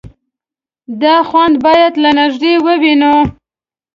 _دا خوند بايد له نږدې ووينو.